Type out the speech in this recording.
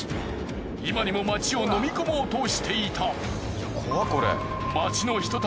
今にも街を飲み込もうとしていた。